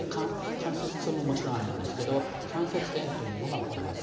関節痛ももちろんあるんですが関節炎が起こります。